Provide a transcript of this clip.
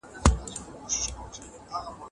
د جرګې بودیجه څوک کنټرولوي؟